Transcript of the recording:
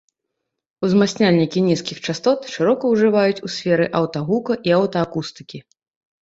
Узмацняльнікі нізкіх частот шырока ўжываюць у сферы аўтагука і аўтаакустыкі.